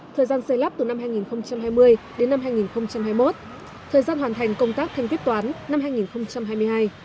thời gian xây lắp từ năm hai nghìn hai mươi đến năm hai nghìn hai mươi một thời gian hoàn thành công tác thanh quyết toán năm hai nghìn hai mươi hai